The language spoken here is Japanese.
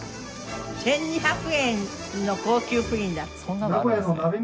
１２００円の高級プリンだって。